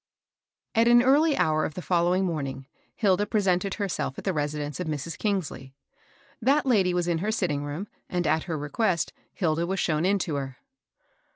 T an early hour of the following morning, Hilda presented herself at the residence of Mrs. Kingsley. That lady was in her sitting room, and, at her request, Hilda was shown in to her.